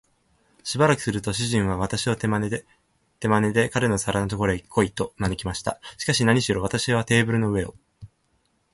しばらくすると、主人は私を手まねで、彼の皿のところへ来い、と招きました。しかし、なにしろ私はテーブルの上を